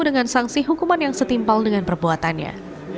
dengan sanksi hukuman yang setimpal dengan perbuatannya